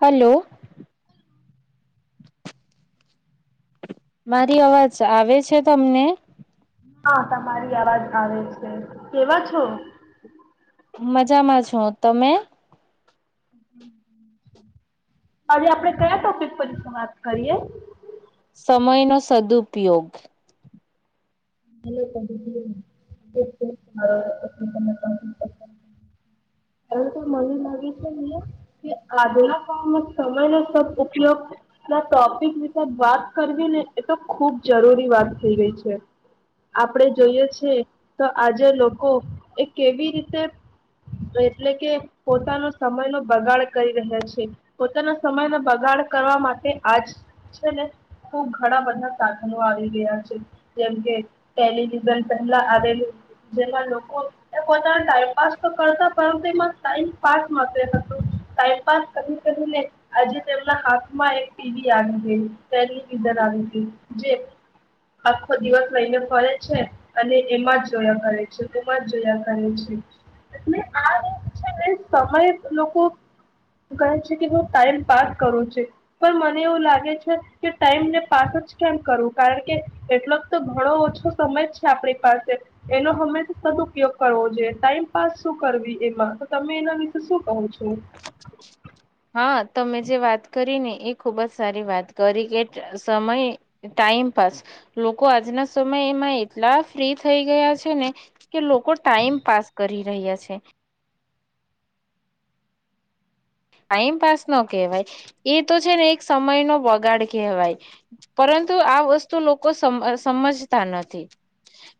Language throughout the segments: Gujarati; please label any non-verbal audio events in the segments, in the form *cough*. હલો મારી અવાજ આવે છે તમને હા તમારી અવાજ આવે છે કેવા છો મજામાં છો તમે આજે આપડે કયા ટોપિક પર વાત કરીએ. સમયનો સદઉપયોગ તો મને લાગે છે ને કે આજના સમયનો સદ ઉપયોગ ના ટોપિક વિશે વાત કરવી ને એ તો ખુબ જરૂરી વાત થઈ ગઈ છે. આપણે જોઈએ છે તો આજે લોકો એ કેવી રીતે એટલે કે પોતાનો સમયનો બગાડ કરી રહ્યા છે પોતાના સમયનો બગાડ કરવા માટે આજ છે ને ખુબ ઘણા બધા સાધનો આવી ગયા છે જેમ કે પહેલી રીઝલ્ટ પહેલા આવેલું જેમાં લોકો પોતાના ટાઈમપાસ તો કરતા પરંતુ એ મા ટાઈમપાસ થશે તો ટાઈમપાસ કરી કરીને આજે તેમના હાથમાં એક ટીવી આપી દીધી ટેલિવિઝન આવી ગયુ જે આખો દિવસ લઈને કરે છે અને એમાં જ જોયા કરે છે તેમાં જ જોયા કરે છે એટલે આ લોક છે ને સમય લોકો કહે છે કે હું ટાઈમ પાસ કરું છે પણ મને એવું લાગે છે કે ટાઈમને પાસ જ કેમ કરું કારણ કે એટલો તો ઘણો ઓછો તો સમય છે આપણી પાસે એનો હમેશા સદઉપયોગ કરવો જોઈએ ટાઈમપાસ શું કરવી એમાં તો તમે એના વિશે શું કહો છો. હા તમે જે વાત કરીને એ ખુબજ સારી વાત કરી કે સમય ટાઈમ પાસ લોકો આજના સમય એમાં એટલા ફ્રી થઈ ગયા છે ને કે લોકો ટાઈમ પાાસ કરી રહ્યા છે. ટાઈમપાસ નો કહેવાય એ તો છે ને એક સમય નો બગાડ કહેવાય પરંતુ આ વસ્તુ લોકો સમજતા નથી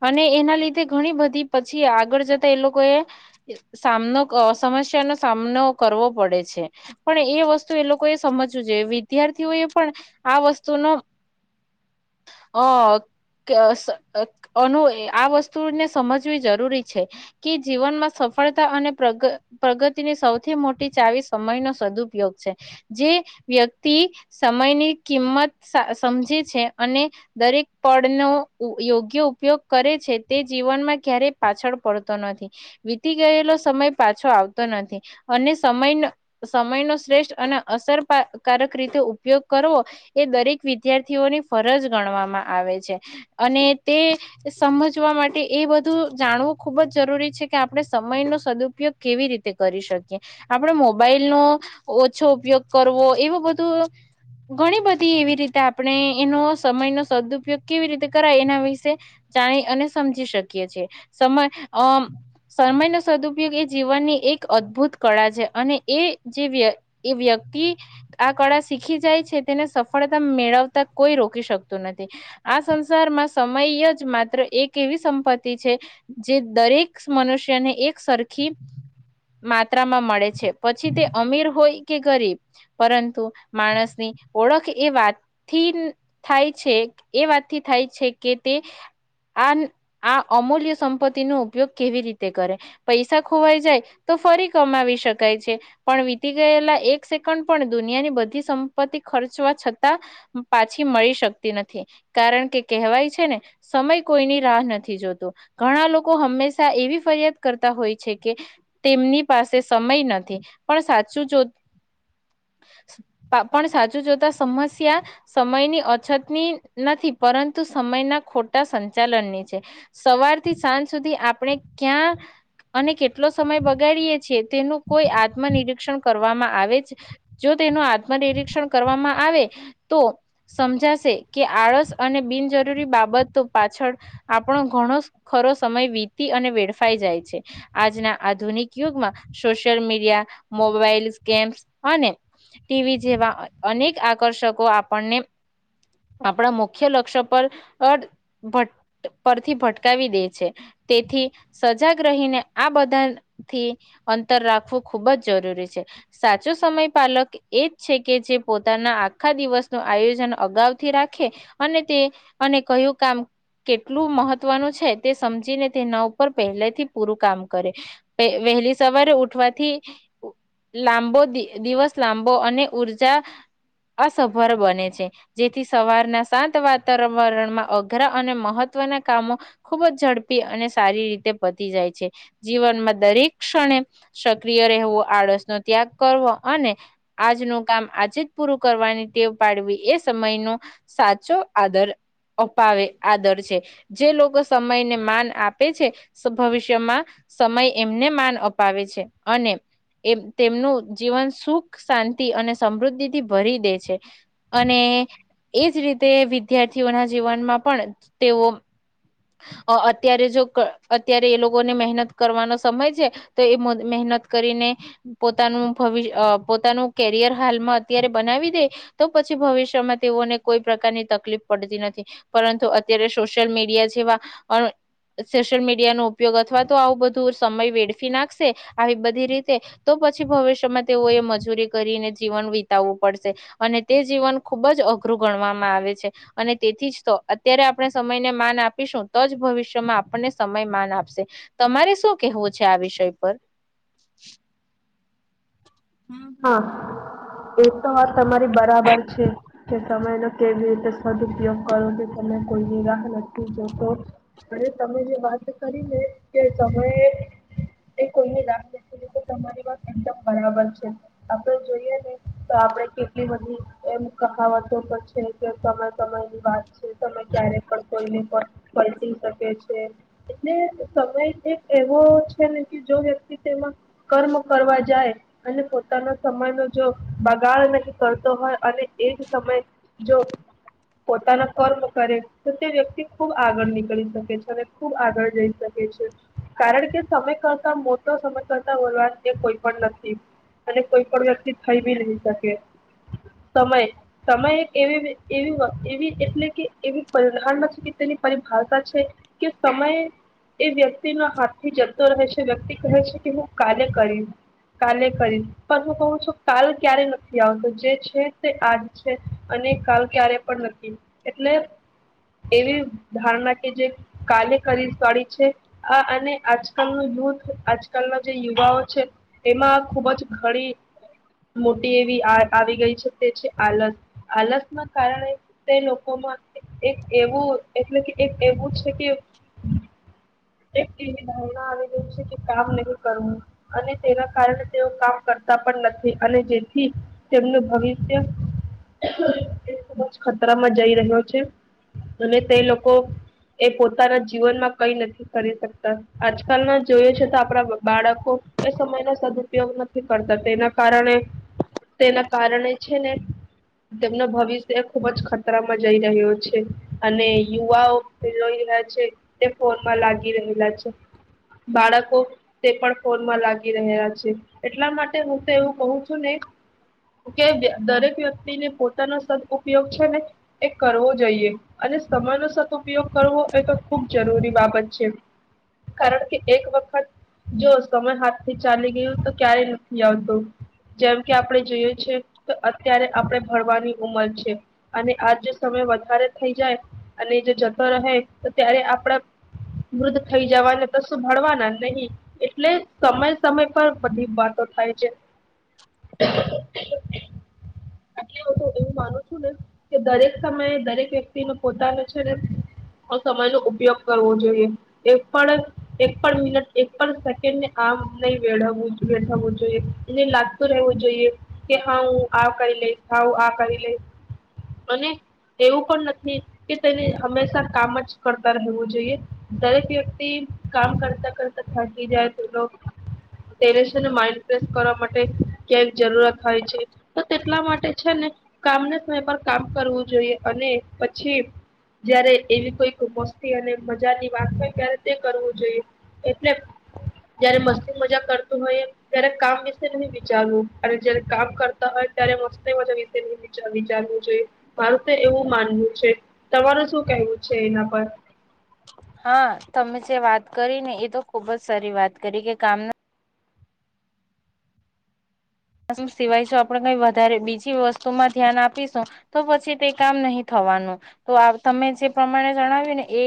અને એના લીધે ઘણી બધી પછી આગળ જતા એ લોકોએ સામનો સમસ્યાનોો સામનો કરવો પડે છે છે, પણ એ વસ્તુ એ લોકોએ સમજવું જોઈએ વિદ્યાર્થીઓ એ પણ આ વસ્તુનો અ *inaudible* અનુ આ વસ્તુને સમજવી જરૂરી છે કે જીવનમાં સફળતા અને પ્રગ પ્રગતિની સૌથી મોટી ચાવીસ સમય ન સદુપયોગ છે જે વ્યક્તિ સમયની કિંમત સમજે છે અને દરેક પળનો યોગ્ય ઉપયોગ કરે છે, તે જીવનમાં ક્યારેય પાછળ પડતો નથી વીતી ગયેલો સમય પાછો આવતો નથી અને સમય સમયનો શ્રેષ્ઠ અને અસરપા કારક રીતે ઉપયોગ કરવો એ દરેક વિદ્યાર્થીઓની ફરજ ગણવામાં આવે છે અને તે સમજવા માટે એ બધું જાણવું ખૂબ જ જરૂરી છે કે આપણે સમયનો સદુપયોગ કેવી રીતે કરી શકીએ. આપણે મો બાઈલનો ઓછો ઉપયોગ કરવો. એવું બધું ઘણી બધી એવી રીતે આપને એનો સમયનો સદુપયોગ કેવી રીતે કરાય એના વિશે જાણી અને સમજી શકીએ છે. સમય અઅ સમયનો સદઉપયોગ ઉપયોગ એ જીવનની એક અદભુત કળા છે અને એ જે વ્ય એ વ્યક્તિ આ કળા શીખી જાય છે તેને સફળતા મેળવતા કોઈ રોકી શકતો નથી. આ સંસારમાં સમય જ માત્ર એક એવી સંપત્તિ છે જે દરેક મનુષ્યને એક સરખી માત્રામાં મળ ડે છે. પછી તે અમીર હોય કે ગરીબ. પરંતુ માણસની ઓળખ એ વાતથીન થાય છે એ વાતથી થાય છે કે તે આન આ અમૂલ્ય સંપત્તિ નો ઉપયોગ કેવી રીતે કરે. પૈસા ખોવાઈ જાય તો ફરી કમાવી શક કાય છે પણ વીતી ગયેલા એક સેકન પણ દુનિયાની બધી સંપત્તિ ખર્ચવા છતાં પાછી મળી શકતી નથી. કારણ કે કેહવાય છે ને સમય કોઈની રાહ નથી જોતો. ઘણા લોકો હંમેશા એવી ફરિયાદ કરતા હોય છે કે તેમની પાસે સ મય નથી પણ સાચું જો પા પણ સાચું જોતા સમસ્યા સમયની અછતની નથી, પરંતુ સમયના ખોટા સંચાલનની છે, સવાર થી સાજ સુધી આપણે ક્યાં અને કેટલો સમય બગાડીએ છીએ. તેનો કોઈ આત્મ નિરીક્ષણ કરવામાં આવે જ જો તેનું આત્મ નિરીક્ષણ કરવામાં આવે તો સમજાશે કે, આળસ અને બિનજરૂરી બાબતો પાછળ આપણો ઘણો ખરો સમય વીતી અને વેડફાઈ જાય છે, આજના આધુનિક યુગમાં સોશિયલ મીડિયા, મોબાઈલસ ગેમ્સ અને ટીવી જેવા અ અનેક આકર્ષકો આપણને આપણા મુખ્ય લક્ષ્ક પર અડ ભટ્ટ પરથી ભટકાવી દે છે, તેથી સજાગ રહીને આ બધા થી અંતર રાખવું ખૂબ જ જરૂરી છે, સાચો સમય પાલક એ એજ છે કે જે પોતાના આખા દિવસ નો આયોજન અગાઉથી રાખે અને તે અને કયું કામ કેટલું મહત્વનું છે તે સમજીને તેના ઉપર પેહેલેથી પૂરું કામ કરે, વે વેહેલી સવારે ઉઠવાથી ઉ લાંબો દિ દિવસ લાંબો અને ઊર્જા અસભર બને છે જેથી સવારના શાંત વાતારમવારણમાં અઘરા અને મહત્વનાં કામો ખૂબ જ ઝડપી અને સારી રીતે પતી જાય છે, જીવનમાં દરેક ક્ષ્ણેમ સક્રિય રેહેવો આળસ નો ત્યાગ કરવો અને આજનું કામ આજે જ પૂરું કરવાની ટેવ પાડવી એ સમયનો સાચો આદર અપાવે આદર છે જે લોકો સમયને માન આપે છે, સગભવિષ્યમાં સમય એમને માન અપાવે છે, અને એમ તેમનું જીવન સુખ શાંતિ અને સમૃદ્ધિથી ભરી દે છે અને એ એજ રીતે વિદ્યાર્થીઓના જીવનમાં પણ તેઓ અ અત્યારે જો કણ અત્યારે એ લોકોને મેહેનત કરવાનો સમયે જ તો એ મદ મેહેનત કરીને પોતાનું ભવિષ અ પોતાનું કેરિયર હાલમાં અત્યારે બનાવી દે તો પછી ભવિષ્યમાં તેઓને કોઈ પ્રકારની તકલીફ પડતી નથી પરંતુ અત્યારે સોશિયલ મીડિયા જ તેવા અણ સોશિયલ મીડિયા નો પયોગ અથવા તો આવું બધુંસ સમય વેડફી નાખશે, આવી બધી રીતે તો પછી ભવિષ્યમાં તેઓએ મજૂરી કરીને જીવન વિતાવું પડશે, અને તે જીવન ખુબ જ અઘરું ગણવામાં આવે છે, અને તેથી જ તો અત્યારે આપણે સમયને માન આપ ઇશું તો જ ભવિષ્યમાં આપણને સમય માન આપશે તમારે શું કેહેવું છે, આ વિષય પર? હ એ તો વાત તમારી બરાબર છે, કે સમયનો કેવી રીતે સદપયોગ કરો કે તમે કોઈ નિ રાહ નથી જોતો. બહેન તમે જે વાત કહીને કે સમયે એ તે કોઈને લાગ *inaudible* તમારી વાત એકદમ બરાબર કેમ આપણ જોઈએ છે, તો આપણે કેટલી બધી એમ કહાવતો પણ છે, કે સમય સમય ની વાત છે. સમય. કેમ એટલે સમય એક એવો છે, ને કે જો વ્યક્તિ તેમા કર્મો કરવા જાય અને પોતાના સમય નો જો બગાડ નહિ કરતો હોઅ અને એક સમય જો પોતાના કર્મ કરે તો તે વ્યક્તિ ખૂબ આગળ નીકળી શકે છે, અવે ખૂબ આગળ જઈ શકે છે, કારણ કે સમય કરતા મોટો સમય કરતા વલાદ એ કોઈ પણ નથી. અને કોઈ પણ વ્યક્તિ થઈ બી નહી શકે સમય સમય એવી વે એવી વ એવી એટલે કે એવી પ્રધાનમક છે, કે તેની પરિભાષા છે કે સમય એ વ્યક્તિના હાથ થી જતો રહે છે, વ્યક્તિ કહે છે, કે હું કાલે કરીસ કાલે કરી પણ હું કહું છું, કાલ ક્યારે નથી આવતો જે છે તે આજ છે, અને કાલ ક્યારે પણ નથી એટલે એવી ધારણા કે જે કાલે કરીશવાડી છે. આ અને આજકાલ નું યૂથ આજ કાલના જે યુવાઓ છે. એમાં. ખૂબ જ ખરી મોટી એવી આ આવી ગઈ છે, તે છે આલસ આલસના કારણે તે લોકોમાં એક એવું એટલે કે એક એવું છે કે એક એવી ધારણા આવી ગઈ છે કે કામ નહી કરવું અને તેના કારણે કામ કરતા પણ નથી અને જેથી તેમનું ભવિષ્ય એ ખૂબ જ ખતરામાં જઈ રહ્યો છે અને તે લોકો એ પોતાના જીવનમાં કઈ નથી કરી શકતા આજકાલના જોય છે તો આપણા બાળકો એ સમયના તેના કારણે તેના કારણે છે ને તેમનું ભવિષ્ય ખુબ જ ખતરામાં જઈ રહ્યો છે અને યુવાઓલોઈ રહ્યા છે તે ફોનમાં લાગી રહેલા છે બાળકો તે પણ ફોનમાં લાગી રહેલા છે એટલા માટે હું તો એવું કઉ છું ને કે દરેક વ્યક્તિ પોતાનો સદઉપયોગ છે ને એ કરવો જોઈએ અને સમયનો સદઉપયોગ કરવો એ તો ખૂબ જરૂરી બાબત છે કારણ કે એક વખત જો સમયા ક્યારે નથી આવતું જેમ કે આપણે જોઈએ છે તો અત્યારે આપણે ભરવાની ઉંમર છે અને આજ જે સમય વધારે થઈ જાય અને જો જતો રહે તો ત્યારે આપણા મૃદધ થઈ જવા તો શું ભળવાના નહીં એટલે સમય સમય પર બધી વાતો થાય છે એટલે હું તો એવું માનું છું ને કે દરેક સમયે દરેક વ્યક્તિ ન પોતાનો છે ને સમય નો ઉપયોગ કરવો જોઈએ એક પણ એક પણ મિનટ એક પણ સેકન્ડને આમ નહી વળવું થવું જોઈએ એને લાગતું રહેવું જોઈએ કે હા હું આ કરી લે ખાવું આ કરી લે અને એવું પણ નથી કે તેને હંમેશા કામ જ કરતા રહેવું જોઈએ દરેક વ્યક્તિ કામ કરતા કરતા થાકી જાય તો ડ ફ્રેશ કરવા માટે ક્યાંક જરૂરત હોય છે તો તેટલા માટે છે ને કામના સમય પર કામ કરવું જોઈએ અને પછી જયારે એવી કોઈક મસ્તી અને મજાની વાત હોય ત્યારે તે કરવું જોઈએ એટલે જયારે મસ્તી મજા ત્યારે કામ વિશે નહી વિચારવું અને જયારે કામ કરતા હોય ત્યારે મસ્ત મજા વિશે ન વિચારવું જોઈએ મારું તો એવું માનવું છે તમાર શું કેવું હા તમે વાત કરી ને એ તો ખૂબ જ સારી વાત કરી કે કામના સિવાય જો આપણે કઈ વધારે બીજી વસ્તુમાં ધ્યાન આપીશું તો પછી તે કામ નહી થવાનું તો તમે જે પ્રમાણે જણાવ્યું ને એ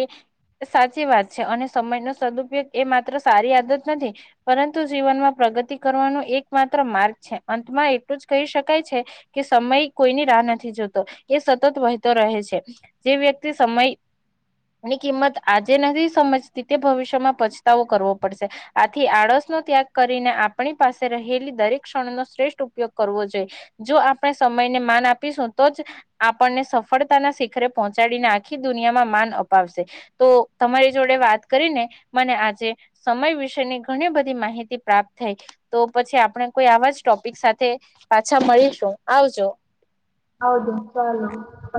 સાચી વાત છે અને સમયનો સદુપયોગ એ માત્ર સારી આદત નથી પરંતુ જીવનમાં પ્રગતિ કરવાનો એક માત્ર માર્ગ અંતમાં એટલું જ કહી શકાય છે કે સમય કોઈની રાહ નથી જોતો એ સતત વહેતો રહે છે જે વ્યક્તિ સમય ની કિંમત આજે નથી સમજતી તે ભવિષ્યમાં પછતાવો કરવો પડશે આથી આળસનોો ત્યાગ કરીને આપણી પાસે રહેલી દરેક શ્રેષ્ઠ ઉપયોગ કરવો જોઈએ જો આપણે સમયને માન આપીશું તો જ આપણને સફળતાના શિખરે પહોંચાડીને આખી દુનિયામાં માન અપાવશે તો તમારી જોડે વાત કરીને મને આજે સમય વિશેની ઘણી બધી માહિતી પ્રાપ્ત થઈ તો પછી આપણે કોઈ આવા જ ટોપિક સાથે પાછા મળીશું આવજો હદ ચાલો પ